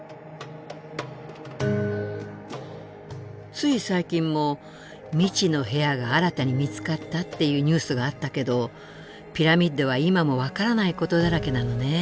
つい最近も未知の部屋が新たに見つかったっていうニュースがあったけどピラミッドは今も分からないことだらけなのね。